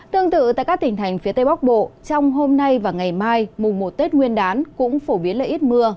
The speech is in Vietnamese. tương tự tại các tỉnh thành phía tây bắc bộ trong hôm nay và ngày mai mùng một tết nguyên đán cũng phổ biến là ít mưa